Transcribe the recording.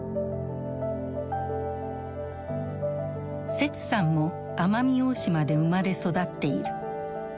セツさんも奄美大島で生まれ育っている。